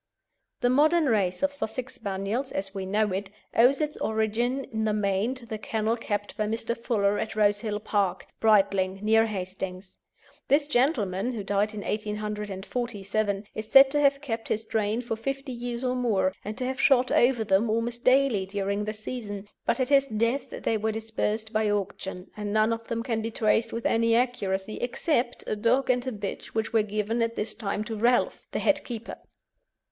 The modern race of Sussex Spaniels, as we know it, owes its origin in the main to the kennel kept by Mr. Fuller at Rosehill Park, Brightling, near Hastings. This gentleman, who died in 1847, is said to have kept his strain for fifty years or more, and to have shot over them almost daily during the season, but at his death they were dispersed by auction, and none of them can be traced with any accuracy except a dog and a bitch which were given at the time to Relf, the head keeper.